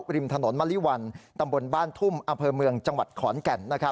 ริมถนนมะลิวันตำบลบ้านทุ่มอำเภอเมืองจังหวัดขอนแก่น